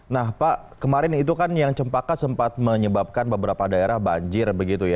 nah pak kemarin itu kan yang cempaka sempat menyebabkan beberapa daerah banjir begitu ya